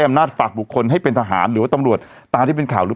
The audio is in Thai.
อำนาจฝากบุคคลให้เป็นทหารหรือว่าตำรวจตามที่เป็นข่าวหรือ